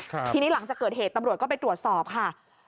ทีนี้หลังจากเกิดเหตุตำรวจก็ไปตรวจสอบค่ะ